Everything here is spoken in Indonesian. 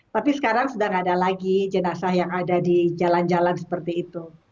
tapi sekarang sudah tidak ada lagi jenazah yang ada di jalan jalan seperti itu